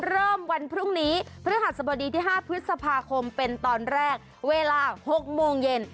วันพรุ่งนี้พฤหัสบดีที่๕พฤษภาคมเป็นตอนแรกเวลา๖โมงเย็น